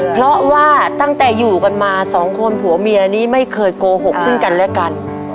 เพราะว่าตั้งแต่อยู่กันมาสองคนผัวเมียนี้ไม่เคยโกหกซึ่งกันและกัน